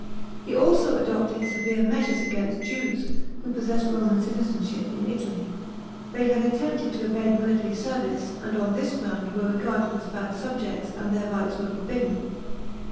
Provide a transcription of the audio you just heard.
He also adopted severe measures against Jews, who possessed Roman citizenship, ill Italy. They had attempted to evade military service, and on this ground were regarded as ba'l subjects, and their rites were forbidden.